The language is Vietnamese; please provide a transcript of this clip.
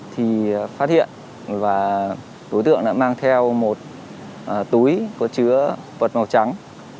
thì phát hiện và đối tượng đã mang theo một túi có chứa vật màu trắng